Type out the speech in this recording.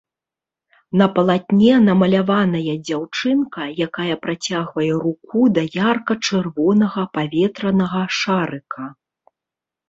На палатне намаляваная дзяўчынка, якая працягвае руку да ярка-чырвонага паветранага шарыка.